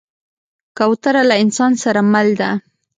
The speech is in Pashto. کوتره له انسان سره مل ده.